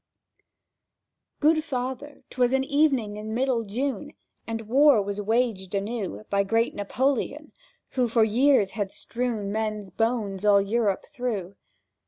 GOOD Father! ... 'Twas an eve in middle June, And war was waged anew By great Napoleon, who for years had strewn Men's bones all Europe through.